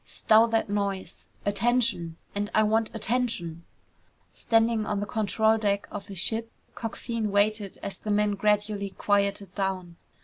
"Stow that noise! Attention! And I want attention!" Standing on the control deck of his ship, Coxine waited as the men gradually quieted down.